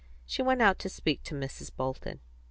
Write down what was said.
She went out to speak to Mrs. Bolton.